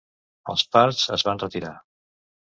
Els parts es van retirar.